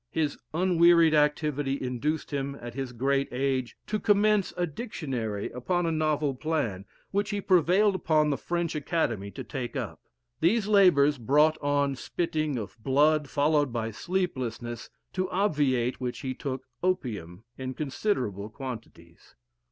His unwearied activity induced him, at his great age, to commence a "Dictionary" upon a novel plan, which he prevailed upon the French Academy to take up. These labors brought on spitting of blood, followed by sleeplessness, to obviate which he took opium in considerable quantities.